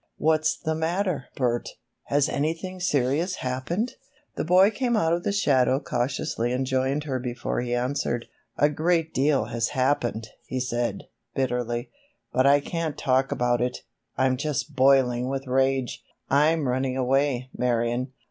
What's the matter, Bert? Has anything serious happened?" The boy came out of the shadow cautiously and joined her before he answered. "A great deal has happened," he said, bitterly; "but I can't talk about it. I'm just boiling with rage! I'm running away, Marion."